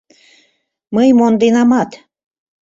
Мый монденамат!..